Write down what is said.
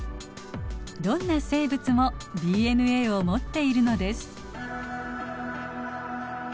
どんな生物もＤＮＡを持っているのです。